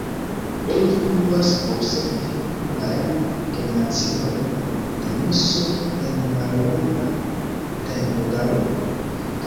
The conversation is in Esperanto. Oni povas observi plurajn generaciojn de musoj en mallonga tempodaŭro.